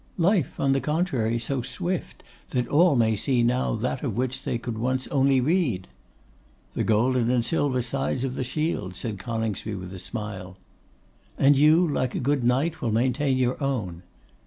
'Life, on the contrary, so swift, that all may see now that of which they once could only read.' 'The golden and silver sides of the shield,' said Coningsby, with a smile. 'And you, like a good knight, will maintain your own.